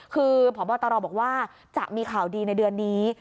คือพบตรบอกว่าจะมีข่าวดีในเดือนนี้